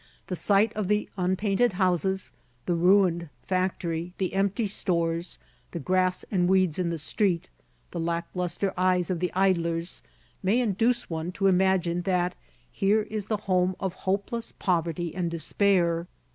The sight of the unpainted houses, the ruined factory, the empty stores, the grass and weeds in the street, the lack lustre eyes of the idlers, may induce one to imagine that here is the home of hopeless poverty and despair.